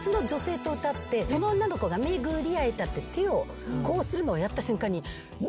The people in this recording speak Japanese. その女の子が「めぐり逢えた」って手をこうするのをやった瞬間にガーンって。